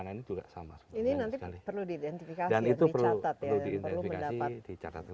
ada juga ini kelompok foto